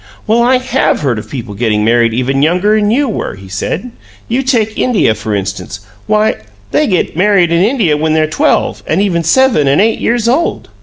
"Well, I HAVE heard of people getting married even younger 'n you were," he said. "You take India, for instance. Why, they get married in India when they're twelve, and even seven and eight years old."